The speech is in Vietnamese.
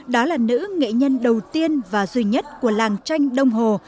đó là nữ nghệ nhân đầu tiên và duy nhất của làng tranh đông hồ